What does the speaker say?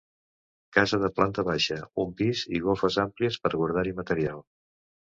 Casa de planta baixa, un pis i golfes àmplies per guardar-hi material.